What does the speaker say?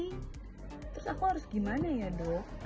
terus aku harus gimana ya dok